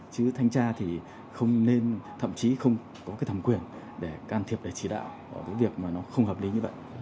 chứ thanh tra thì không nên thậm chí không có cái thẩm quyền để can thiệp để chỉ đạo ở cái việc mà nó không hợp lý như vậy